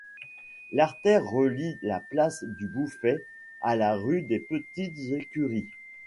L'artère relie la place du Bouffay à la rue des Petites-Écuries.